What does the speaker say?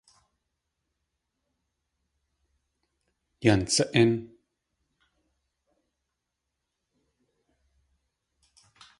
Yan sa.ín!